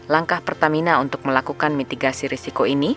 langkah pertamina untuk melakukan mitigasi risiko ini